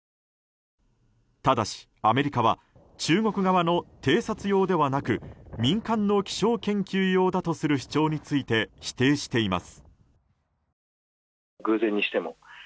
ただし、アメリカは中国側の偵察用ではなく民間の気象研究用だとする主張について否定しています。